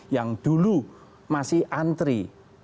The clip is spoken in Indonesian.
yang dulu masih antri